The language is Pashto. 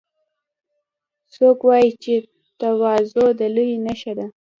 څوک وایي چې تواضع د لویۍ نښه ده